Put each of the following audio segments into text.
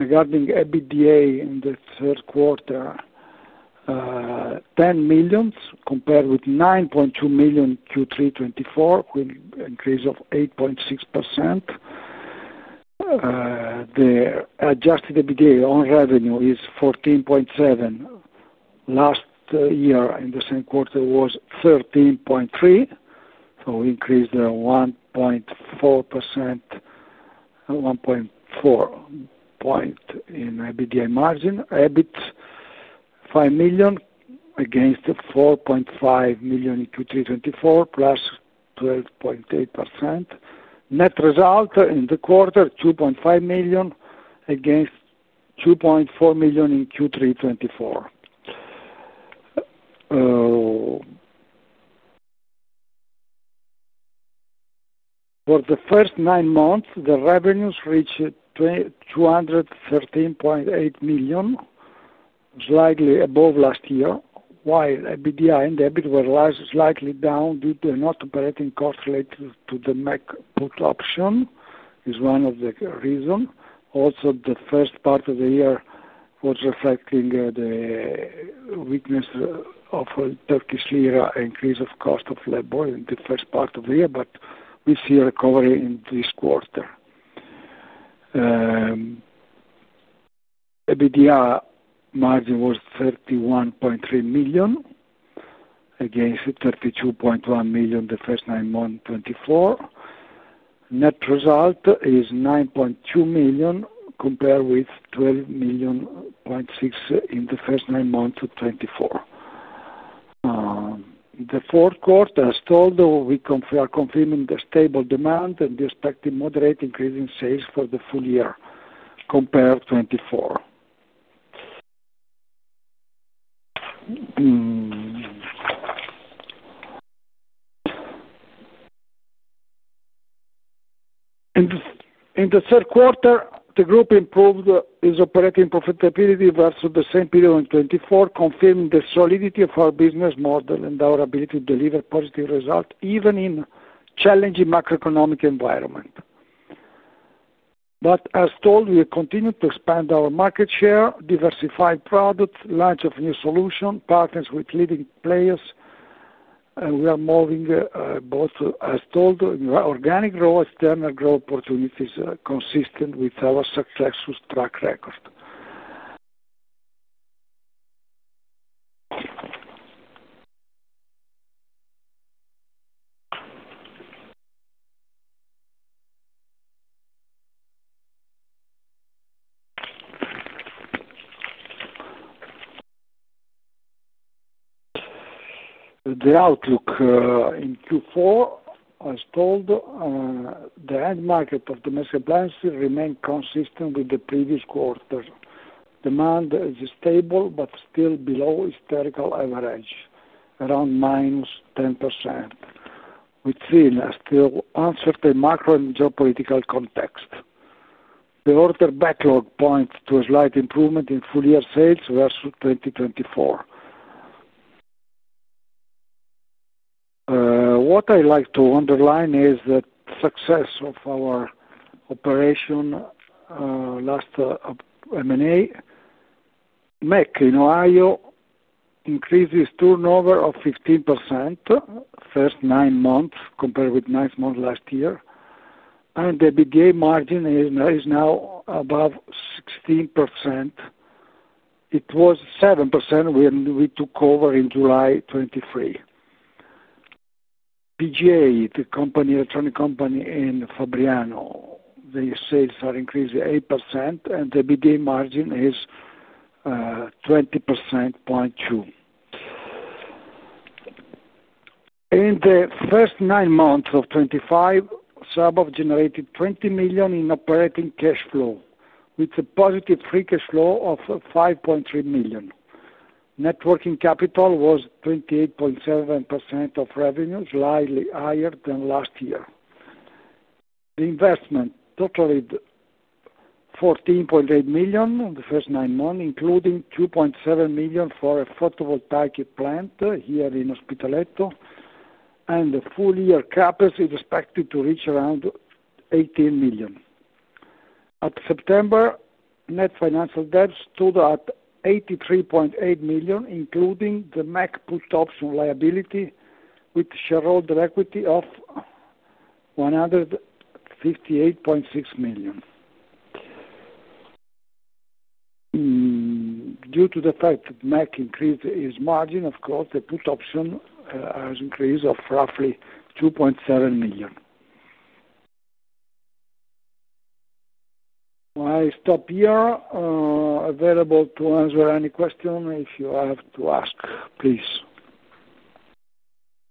Regarding EBITDA in the third quarter, 10 million compared with 9.2 million Q3 2024, with an increase of 8.6%. The adjusted EBITDA on revenue is 14.7%. Last year, in the same quarter, it was 13.3%, so we increased the 1.4% in EBITDA margin. EBIT, 5 million against 4.5 million in Q3 2024, plus 12.8%. Net result in the quarter, 2.5 million against 2.4 million in Q3 2024. For the first nine months, the revenues reached 213.8 million, slightly above last year, while EBITDA and EBIT were slightly down due to non-operating costs related to the MAC put option, which is one of the reasons. Also, the first part of the year was reflecting the weakness of the Turkish lira and increase of cost of labor in the first part of the year, but we see recovery in this quarter. EBITDA margin was 31.3 million against 32.1 million in the first nine months of 2024. Net result is 9.2 million compared with 12.6 million in the first nine months of 2024. The fourth quarter, as told, we are confirming the stable demand and the expected moderate increase in sales for the full year compared to 2024. In the third quarter, the group improved its operating profitability versus the same period in 2024, confirming the solidity of our business model and our ability to deliver positive results even in a challenging macroeconomic environment. As told, we continue to expand our market share, diversify products, launch new solutions, partner with leading players, and we are moving both, as told, organic growth and external growth opportunities consistent with our successful track record. The outlook in Q4, as told, the end market of domestic appliances remained consistent with the previous quarter. Demand is stable but still below historical average, around -10%, which is still uncertain macro and geopolitical context. The order backlog points to a slight improvement in full-year sales versus 2024. What I'd like to underline is the success of our operation last M&A. MAC in Ohio increased its turnover 15% first nine months compared with nine months last year, and the EBITDA margin is now above 16%. It was 7% when we took over in July 2023. PGA, the electronic company in Fabriano, their sales are increased 8%, and the EBITDA margin is 20.2%. In the first nine months of 2025, Sabaf generated 20 million in operating cash flow, with a positive free cash flow of 5.3 million. Net working capital was 28.7% of revenue, slightly higher than last year. The investment totaled 14.8 million in the first nine months, including 2.7 million for a photovoltaic plant here in Ospitaletto, and the full-year cap is expected to reach around 18 million. At September, net financial debt stood at 83.8 million, including the MAC put option liability, with shareholder equity of 158.6 million. Due to the fact that MAC increased its margin, of course, the put option has increased of roughly 2.7 million. My stop here available to answer any question if you have to ask, please.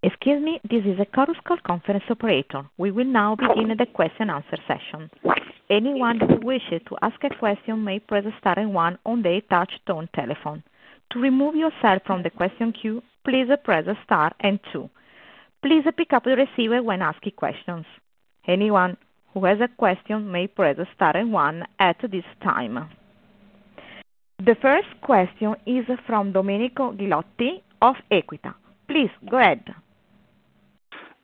Excuse me, this is a Chorus Call conference operator. We will now begin the question-answer session. Anyone who wishes to ask a question may press the star and one on the touch-tone telephone. To remove yourself from the question queue, please press the star and two. Please pick up the receiver when asking questions. Anyone who has a question may press the star and one at this time. The first question is from Domenico Ghilotti of Equita. Please go ahead.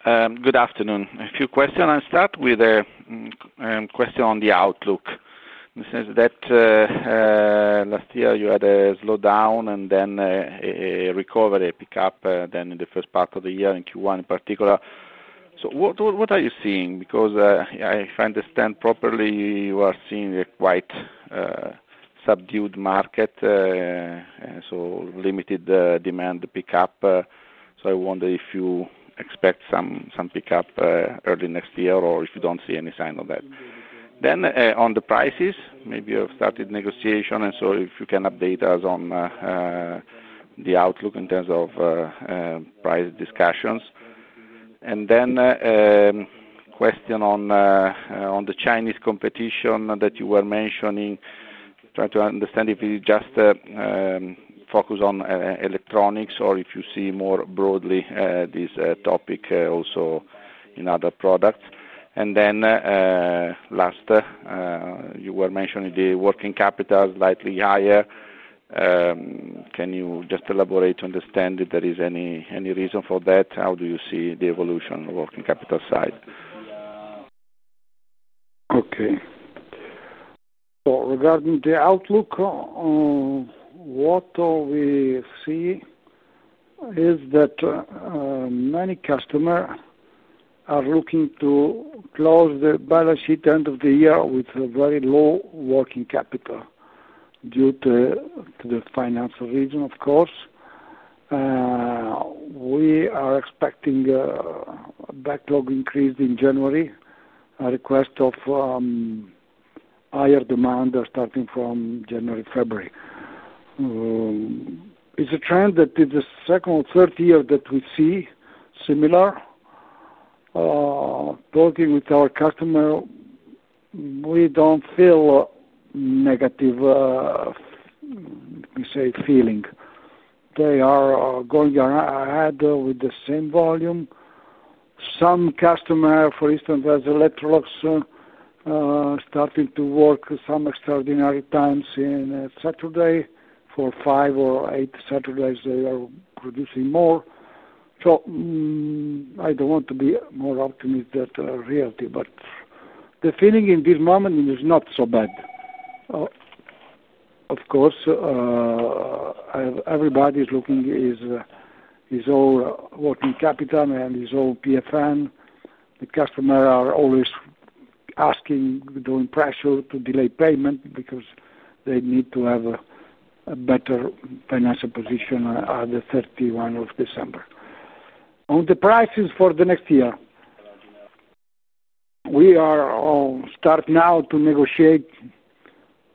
Good afternoon. A few questions. I'll start with a question on the outlook. In the sense that last year you had a slowdown and then a recovery pickup then in the first part of the year in Q1 in particular. What are you seeing? Because if I understand properly, you are seeing a quite subdued market, so limited demand pickup. I wonder if you expect some pickup early next year or if you do not see any sign of that. On the prices, maybe you have started negotiation, and if you can update us on the outlook in terms of price discussions. A question on the Chinese competition that you were mentioning, trying to understand if it is just focused on electronics or if you see more broadly this topic also in other products. Last, you were mentioning the working capital is slightly higher. Can you just elaborate to understand if there is any reason for that? How do you see the evolution on the working capital side? Okay. So regarding the outlook, what we see is that many customers are looking to close the balance sheet end of the year with very low working capital due to the financial reason, of course. We are expecting a backlog increase in January, a request of higher demand starting from January-February. It's a trend that is the second or third year that we see similar. Talking with our customers, we don't feel negative, let me say, feeling. They are going ahead with the same volume. Some customers, for instance, as Electrolux started to work some extraordinary times in Saturday for five or eight Saturdays, they are producing more. I don't want to be more optimistic than reality, but the feeling in this moment is not so bad. Of course, everybody is looking at his own working capital and his own PFN. The customers are always asking, doing pressure to delay payment because they need to have a better financial position at the 31st of December. On the prices for the next year, we are starting now to negotiate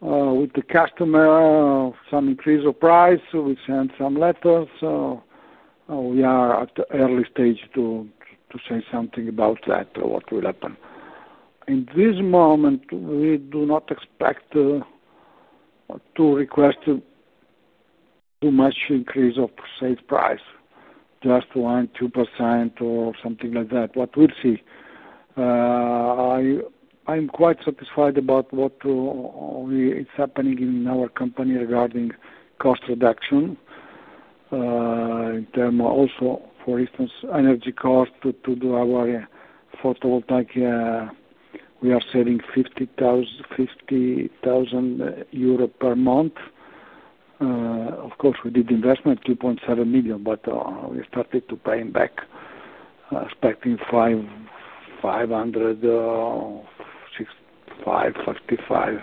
with the customer some increase of price. We sent some letters. We are at the early stage to say something about that, what will happen. In this moment, we do not expect to request too much increase of sales price, just 1%-2% or something like that, what we see. I'm quite satisfied about what is happening in our company regarding cost reduction in terms of also, for instance, energy cost to do our photovoltaic. We are saving 50,000 per month. Of course, we did investment, 2.7 million, but we started to paying back, expecting 500,000, 65,000, 35,000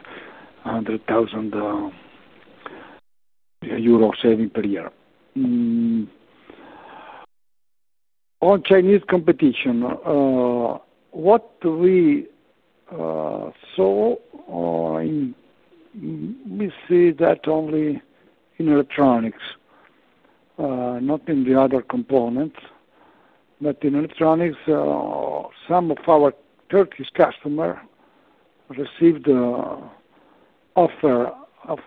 euro, 100,000 euro saving per year. On Chinese competition, what we saw, we see that only in electronics, not in the other components. In electronics, some of our Turkish customers received offer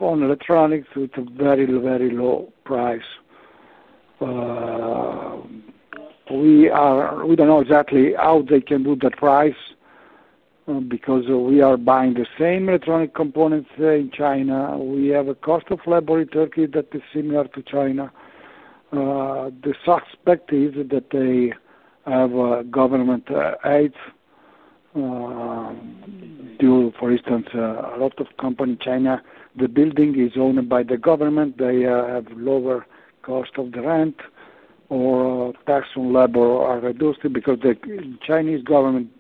on electronics with a very, very low price. We do not know exactly how they can do that price because we are buying the same electronic components in China. We have a cost of labor in Turkey that is similar to China. The suspect is that they have government aid due to, for instance, a lot of companies in China. The building is owned by the government. They have lower cost of the rent or tax on labor are reduced because the Chinese government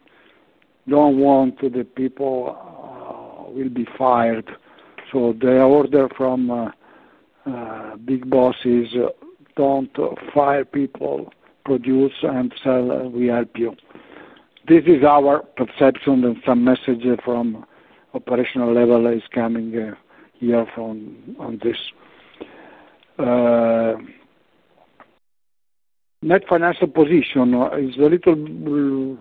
does not want the people will be fired. The order from big bosses, "Do not fire people, produce and sell, we help you." This is our perception and some message from operational level is coming here on this. Net financial position is a little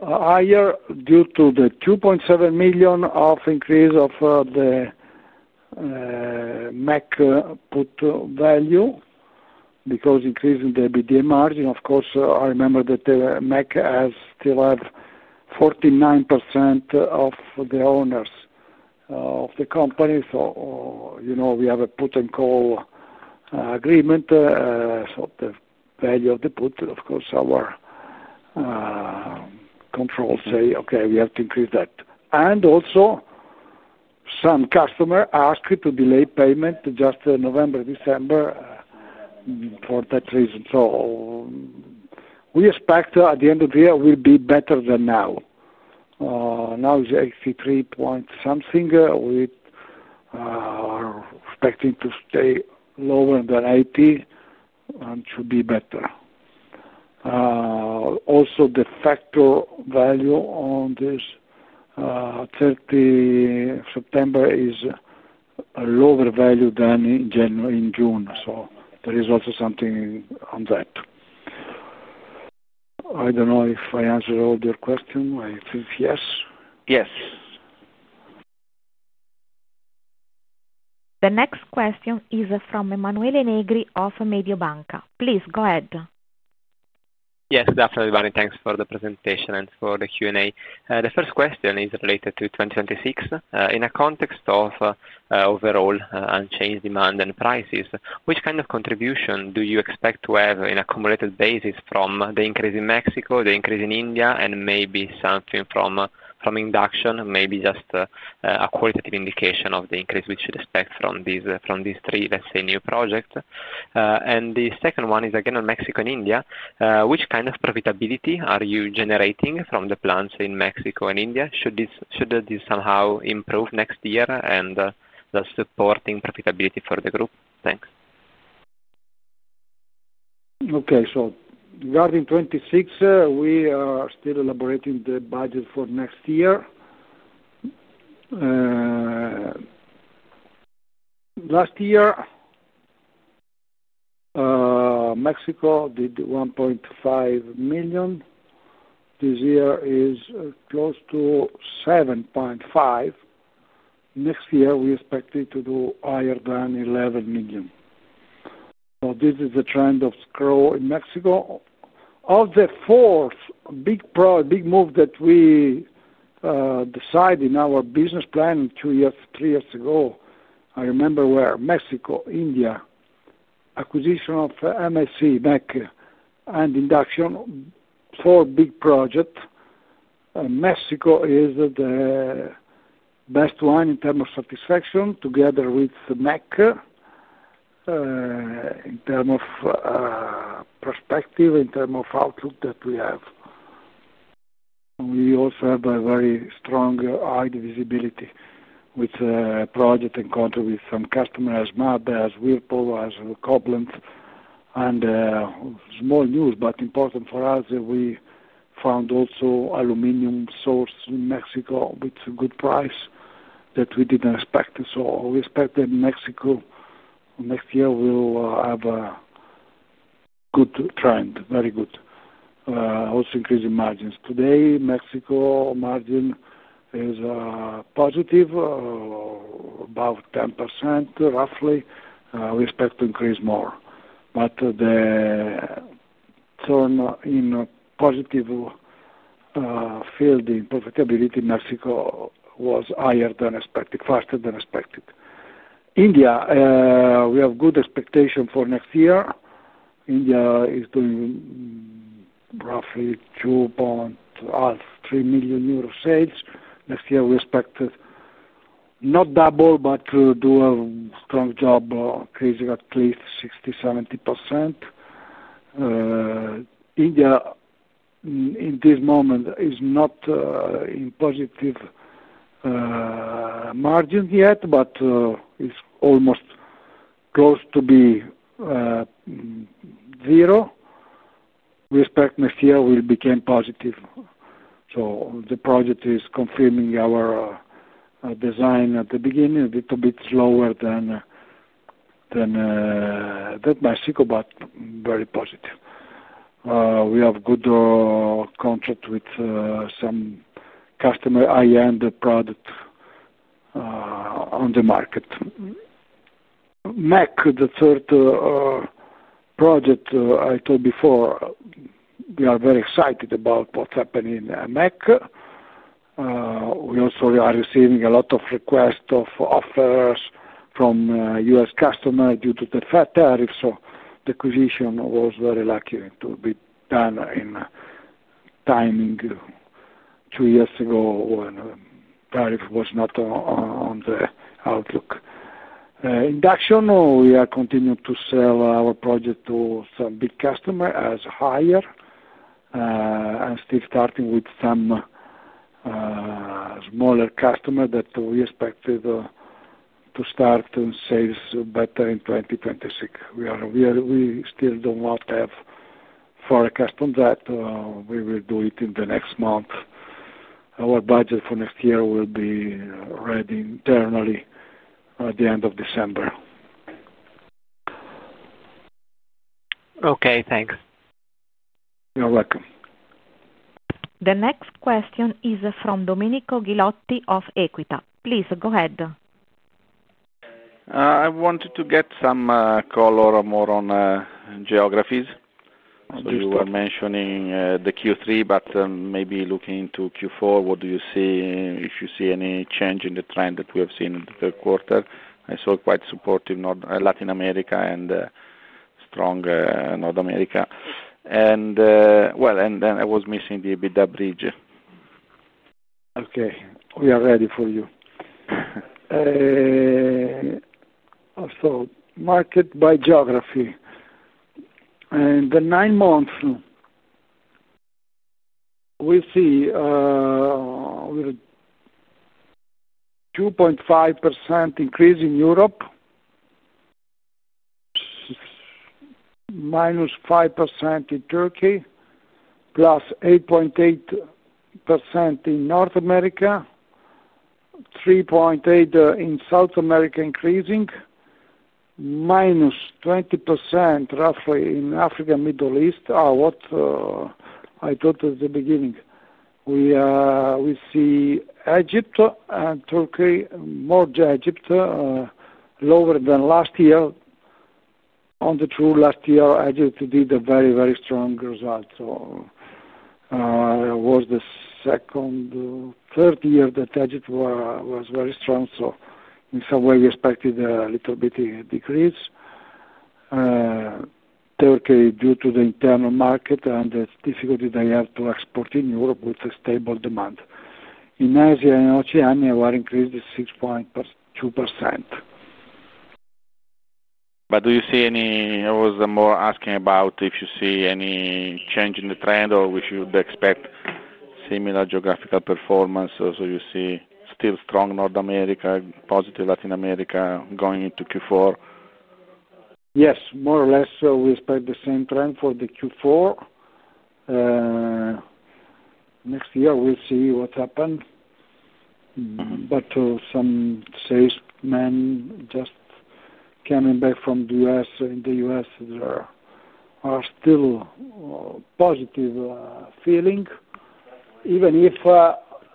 higher due to the 2.7 million of increase of the MAC put value because increasing the EBITDA margin. Of course, I remember that MAC still have 49% of the owners of the company. We have a put and call agreement. The value of the put, of course, our controls say, "Okay, we have to increase that." Also, some customers asked to delay payment just November, December for that reason. We expect at the end of the year will be better than now. Now it's 83 point something. We are expecting to stay lower than 80 and should be better. Also, the factor value on this 30 September is a lower value than in June. There is also something on that. I don't know if I answered all your question. If it's yes. Yes. The next question is from Emanuele Negri of Mediobanca. Please go ahead. Yes, definitely, Danny. Thanks for the presentation and for the Q&A. The first question is related to 2026. In a context of overall unchanged demand and prices, which kind of contribution do you expect to have in accumulated basis from the increase in Mexico, the increase in India, and maybe something from induction, maybe just a qualitative indication of the increase we should expect from these three, let's say, new projects? The second one is again on Mexico and India. Which kind of profitability are you generating from the plants in Mexico and India? Should this somehow improve next year and supporting profitability for the group? Thanks. Okay. Regarding 2026, we are still elaborating the budget for next year. Last year, Mexico did 1.5 million. This year is close to 7.5 million. Next year, we expect it to do higher than 11 million. This is the trend of growth in Mexico. Of the four big moves that we decided in our business plan two years, three years ago, I remember where: Mexico, India, acquisition of PGA, MAC, and induction, four big projects. Mexico is the best one in terms of satisfaction together with MAC in terms of perspective, in terms of outlook that we have. We also have a very strong eye visibility with project and contract with some customers as Whirlpool, as Coblenz, and small news, but important for us, we found also aluminum source in Mexico with a good price that we did not expect. We expect that Mexico next year will have a good trend, very good, also increasing margins. Today, Mexico margin is positive, about 10% roughly. We expect to increase more. The turn in positive field in profitability in Mexico was higher than expected, faster than expected. India, we have good expectation for next year. India is doing roughly 2.5million - 3 million euro sales. Next year, we expect not double, but to do a strong job, increasing at least 60-70%. India, in this moment, is not in positive margin yet, but it's almost close to be zero. We expect next year will become positive. The project is confirming our design at the beginning, a little bit slower than Mexico, but very positive. We have good contract with some customer high-end product on the market. MAC, the third project I told before, we are very excited about what's happening in MAC. We also are receiving a lot of requests of offers from U.S. customers due to the Fed tariff. The acquisition was very lucky to be done in timing two years ago when the tariff was not on the outlook. Induction, we are continuing to sell our project to some big customers as Haier and still starting with some smaller customers that we expected to start sales better in 2026. We still do not have forecast on that. We will do it in the next month. Our budget for next year will be ready internally at the end of December. Okay. Thanks. You're welcome. The next question is from Domenico Ghilotti of Equita. Please go ahead. I wanted to get some color more on geographies. You were mentioning the Q3, but maybe looking into Q4, what do you see if you see any change in the trend that we have seen in the third quarter? I saw quite supportive Latin America and strong North America. I was missing the EBITDA bridge. Okay. We are ready for you. Market by geography. In the nine months, we see 2.5% increase in Europe, -5% in Turkey, +8.8% in North America, 3.8% in South America increasing, -20% roughly in Africa and Middle East. What I told at the beginning, we see Egypt and Turkey, more Egypt, lower than last year. On the true, last year, Egypt did a very, very strong result. It was the second, third year that Egypt was very strong. In some way, we expected a little bit decrease. Turkey, due to the internal market and the difficulty they have to export in Europe with a stable demand. In Asia and Oceania, we are increased 6.2%. Do you see any—I was more asking about if you see any change in the trend or if you would expect similar geographical performance. Do you see still strong North America, positive Latin America going into Q4? Yes, more or less. We expect the same trend for Q4. Next year, we'll see what happens. Some salesmen just coming back from the U.S., in the U.S., are still positive feeling. Even if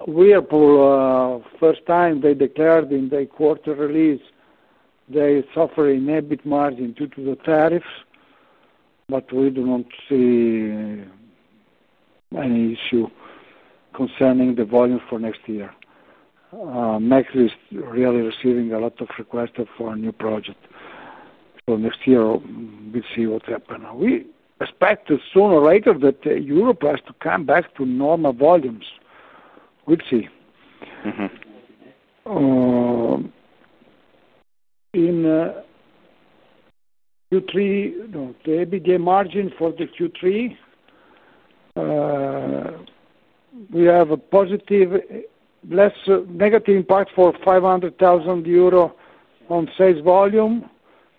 Whirlpool, first time they declared in their quarter release, they suffer in EBIT margin due to the tariffs, but we do not see any issue concerning the volume for next year. MAC is really receiving a lot of requests for a new project. Next year, we'll see what happens. We expect sooner or later that Europe has to come back to normal volumes. We'll see. In Q3, the EBITDA margin for the Q3, we have a positive negative impact for 500,000 euro on sales volume,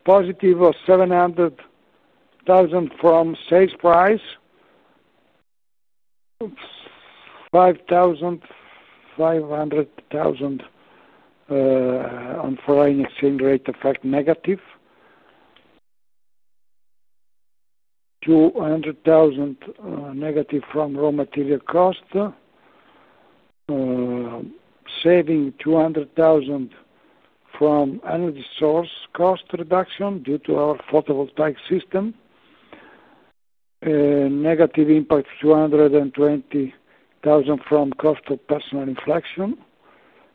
positive of 700,000 from sales price, 500,000 on foreign exchange rate effect negative, 200,000 negative from raw material cost, saving 200,000 from energy source cost reduction due to our photovoltaic system, negative impact 220,000 from cost of personal inflation.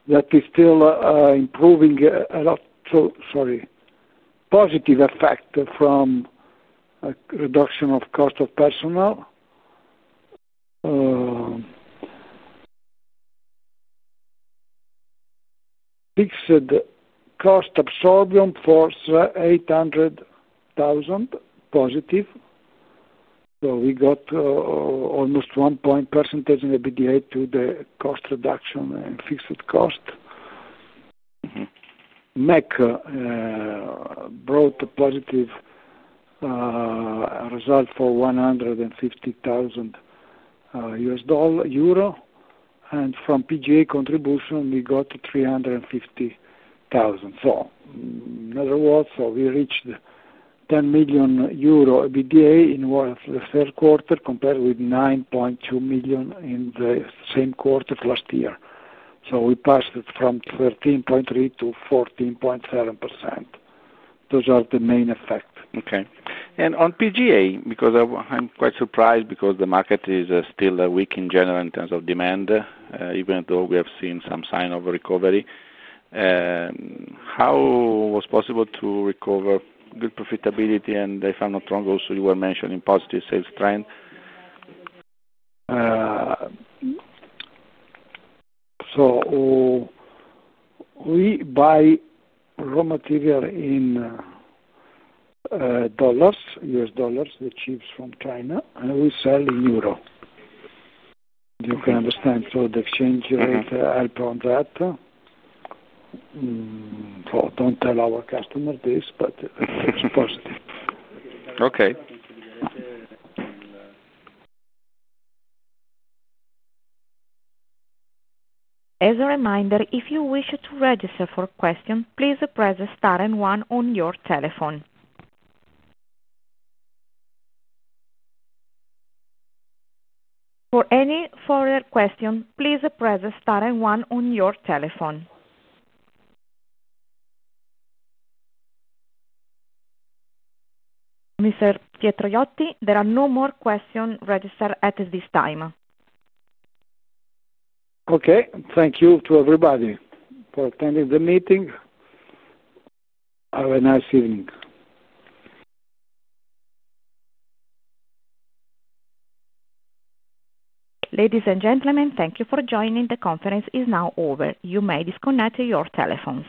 That is still improving a lot. Sorry. Positive effect from reduction of cost of personnel. Fixed cost absorption for 800,000 positive. We got almost 1 percentage point in EBITDA to the cost reduction and fixed cost. MAC brought a positive result for EUR 150,000. From PGA contribution, we got 350,000. In other words, we reached 10 million euro EBITDA in the third quarter compared with 9.2 million in the same quarter last year. We passed from 13.3% to 14.7%. Those are the main effects. Okay. On PGA, because I'm quite surprised because the market is still weak in general in terms of demand, even though we have seen some sign of recovery, how was it possible to recover good profitability? If I'm not wrong, also you were mentioning positive sales trend. We buy raw material in U.S. dollars, the chips from China, and we sell in euro. You can understand. The exchange rate helped on that. Do not tell our customers this, but it is positive. Okay. As a reminder, if you wish to register for a question, please press star and one on your telephone. For any further question, please press star and one on your telephone. Mr. Pietro Iotti, there are no more questions registered at this time. Okay. Thank you to everybody for attending the meeting. Have a nice evening. Ladies and gentlemen, thank you for joining. The conference is now over. You may disconnect your telephone.